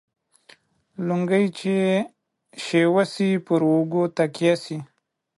لنگۍ چې شوه سي ، پر اوږو تکيه سي.